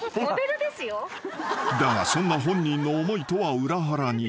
［だがそんな本人の思いとは裏腹に］